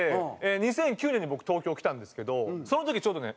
２００９年に僕東京来たんですけどその時ちょうどね